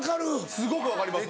すごく分かります。